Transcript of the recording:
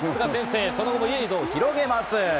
その後もリードを広げます。